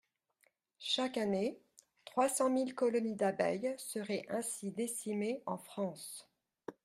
Chaque année, trois cent mille colonies d’abeilles seraient ainsi décimées en France.